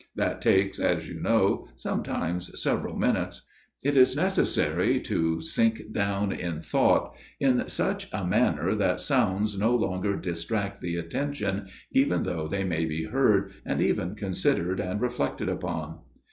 That takes, as you know, sometimes several minutes ; it is necessary to sink down in thought in such a manner that sounds no longer distract the attention even though they may be heard, and even considered and reflected upon.